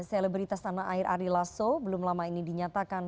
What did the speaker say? selebritas tanah air ari lasso belum lama ini dinyatakan